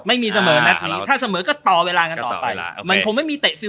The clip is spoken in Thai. ไม่มีเสมอนัทนี้ถ้าเสมอก็ต่อเวลากันต่อไป